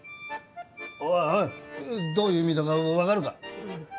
おいおいどういう意味だか分かるか？